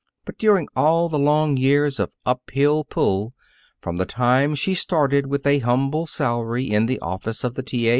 But during all the long years of up hill pull, from the time she started with a humble salary in the office of the T. A.